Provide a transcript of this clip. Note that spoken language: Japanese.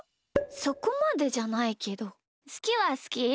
そこまでじゃないけどすきはすき。